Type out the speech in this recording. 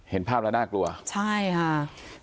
เห็นภาพแล้วน่ากลัวใช่ค่ะ